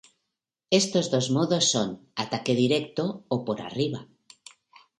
Estos dos modos son: ataque directo o por arriba.